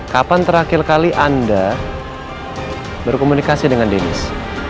kapan terakhir kali anda berkomunikasi dengan deniz